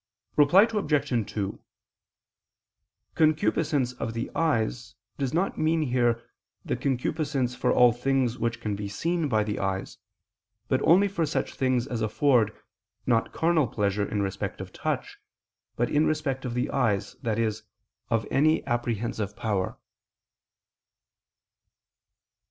Reply Obj. 2: "Concupiscence of the eyes" does not mean here the concupiscence for all things which can be seen by the eyes, but only for such things as afford, not carnal pleasure in respect of touch, but in respect of the eyes, i.e. of any apprehensive power.